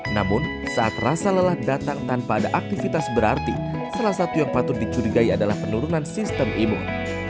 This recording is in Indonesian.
namun saat rasa lelah datang tanpa ada aktivitas berarti salah satu yang patut dicurigai adalah penurunan sistem imun